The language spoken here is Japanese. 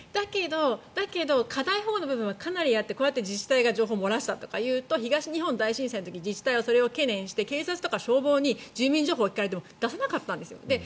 だけど過大保護の部分はかなりあってこうやって自治体が情報を漏らしたというと東日本大震災の時に自治体はそれを懸念して警察とか消防に自治体情報を聞かれても出さなかったんです。